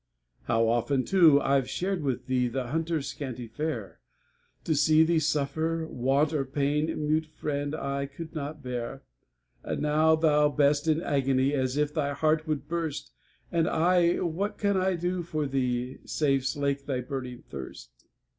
How often, too, I we shared with thee The hunter's scanty fare. To see thee suffer want or pain, Mute friend I could not bear; And now, thou best in agony, As if thy heart would burst, And I, what can I do for thee, Save slake thy burning thirst?